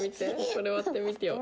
これ割ってみてよ。